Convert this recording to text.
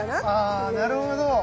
あなるほど。